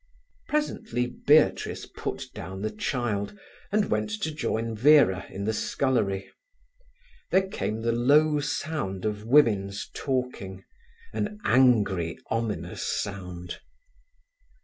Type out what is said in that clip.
Presently Beatrice put down the child, and went to join Vera in the scullery. There came the low sound of women's talking—an angry, ominous sound.